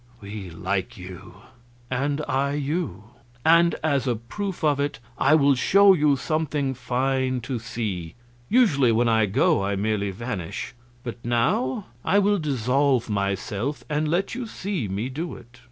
"We like you." "And I you. And as a proof of it I will show you something fine to see. Usually when I go I merely vanish; but now I will dissolve myself and let you see me do it."